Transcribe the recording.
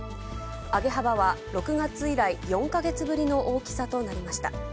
上げ幅は６月以来、４か月ぶりの大きさとなりました。